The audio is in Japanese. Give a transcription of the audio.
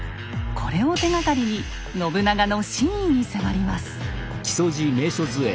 これを手がかりに信長の真意に迫ります。